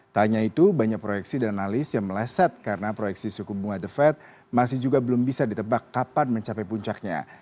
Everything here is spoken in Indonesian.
tanya itu banyak proyeksi dan analis yang meleset karena proyeksi suku bunga the fed masih juga belum bisa ditebak kapan mencapai puncaknya